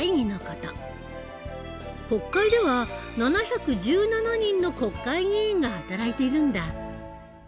国会では７１７人の国会議員が働いているんだ。